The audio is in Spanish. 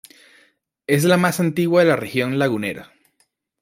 Es la más antigua de la Región Lagunera.